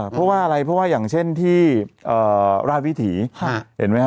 เพราะว่าอะไรเพราะว่าอย่างเช่นที่ราชวิถีเห็นไหมฮะ